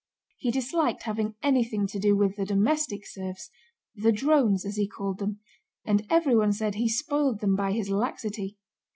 He disliked having anything to do with the domestic serfs—the "drones" as he called them—and everyone said he spoiled them by his laxity.